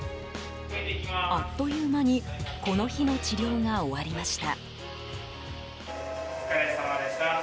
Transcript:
あっという間にこの日の治療が終わりました。